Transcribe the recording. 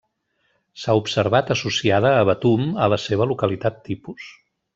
S'ha observat associada a betum a la seva localitat tipus.